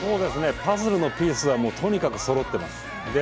パズルのピースはもうとにかくそろってます。